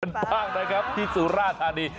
เป็นบ้างนะครับที่สุราธารีย์